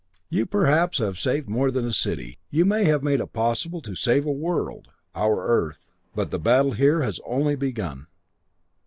You, perhaps, have saved more than a city you may have made it possible to save a world our Earth. But the battle here has only begun.